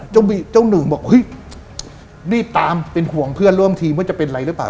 เจ้าหนุ่มบอกนี่ตามเป็นขวงเพื่อนเริ่มทีมว่าจะเป็นอะไรหรือเปล่า